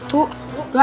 apa itu barusan